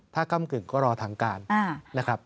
ถ้าก้ำกึ่งก็รอทางการนะครับ